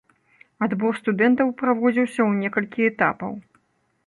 Адбор студэнтаў праводзіўся ў некалькі этапаў.